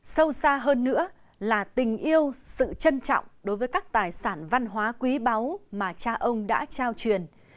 sâu xa hơn nữa là tình yêu sự trân trọng đối với các tài sản văn hóa quý báu mà cha ông đã trao truyền